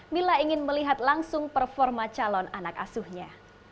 mila ingin melihat langsung performa calon anak asuhnya